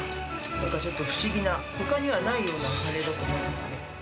なんかちょっと不思議な、ほかにはないようなカレーだと思いますね。